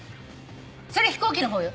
それ飛行機の方よ。